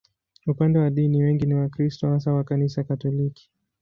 Upande wa dini, wengi ni Wakristo, hasa wa Kanisa Katoliki.